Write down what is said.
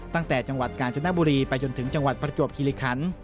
ตั้งแต่จังหวัดกาญจนบุรีไปจนถึงจังหวัดประจวบคิริคัน